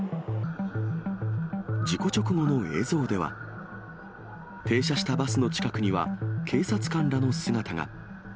事故直後の映像では、停車したバスの近くには、警察官らの姿が。